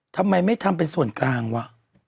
ทำไมไม่ทำเป็นส่วนกลางวะ